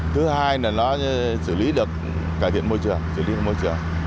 thứ hai là nó xử lý được cải thiện môi trường